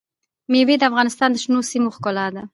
مېوې د افغانستان د شنو سیمو ښکلا ده.